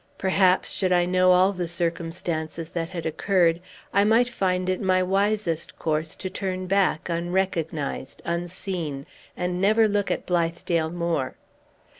Perhaps, should I know all the circumstances that had occurred, I might find it my wisest course to turn back, unrecognized, unseen, and never look at Blithedale more.